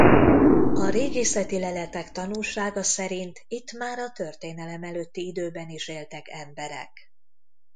A régészeti leletek tanúsága szerint itt már a történelem előtti időben is éltek emberek.